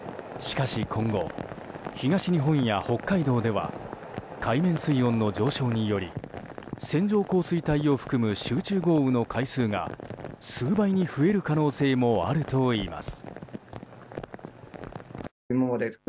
しかし今後、東日本や北海道では海面水温の上昇により線状降水帯を含む集中豪雨の回数が数倍に増える可能性もあるといいます。